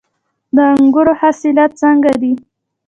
د انګورو حاصلات څنګه دي؟